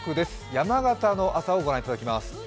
山形の朝をご覧いただきます。